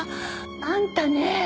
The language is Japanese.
あんたね